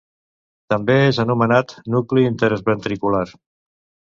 També és anomenat nucli interventricular.